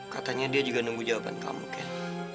katanya dia juga sampe nunggu jawaban kamu kan